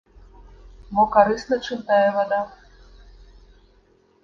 Мо карысна чым тая вада?